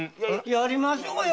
やりましょうよ！